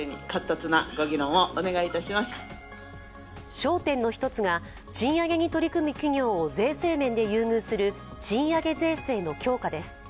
焦点の１つが賃上げに取り組む企業を税制面で優遇する賃上げ税制の強化です。